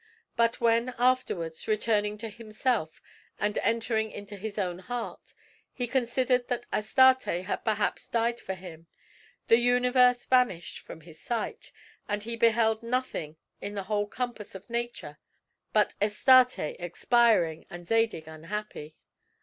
But when afterwards, returning to himself, and entering into his own heart, he considered that Astarte had perhaps died for him, the universe vanished from his sight, and he beheld nothing in the whole compass of nature but Astarte; expiring and Zadig unhappy.